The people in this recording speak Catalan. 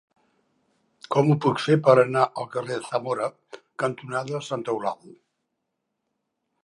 Com ho puc fer per anar al carrer Zamora cantonada Sant Eudald?